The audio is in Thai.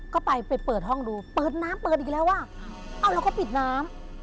ก็ไปไปเปิดห้องดูเปิดน้ำเปิดอีกแล้วอ่ะเอ้าเราก็ปิดน้ำ